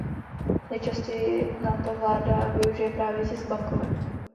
Nejčastěji na to vláda využije právě tisk bankovek.